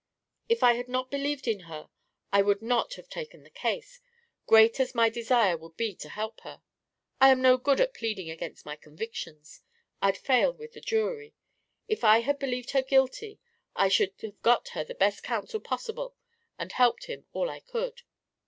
"If I had not believed in her, I would not have taken the case, great as my desire would be to help her. I am no good at pleading against my convictions; I'd fail with the jury. If I had believed her guilty, I should have got her the best counsel possible and helped him all I could."